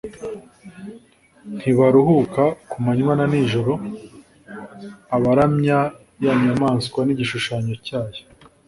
ntibaruhuka kumanywa na nijoro abaramya ya nyamaswa n‟igishushanyo cyayo,